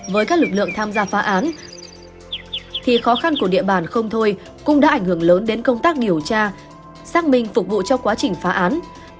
với các lực lượng tham gia phá án thì khó khăn của địa bàn không thôi cũng đã ảnh hưởng lớn đến công tác điều tra xác minh phục vụ cho quá trình phá án